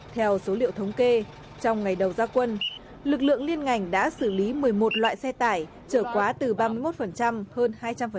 theo số liệu thống kê trong ngày đầu gia quân lực lượng liên ngành đã xử lý một mươi một loại xe tải trở quá từ ba mươi một hơn hai trăm linh